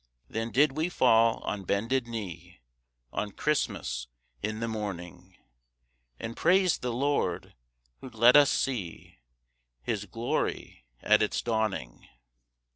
Then did we fall on bended knee, On Christmas in the morning, And prais'd the Lord, who'd let us see His glory at its dawning.